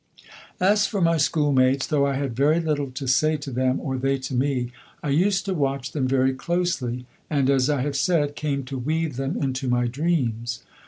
As for my school mates, though I had very little to say to them, or they to me, I used to watch them very closely, and, as I have said, came to weave them into my dreams.